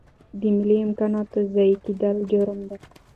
د مالي امکاناتو ضایع کیدل جرم دی.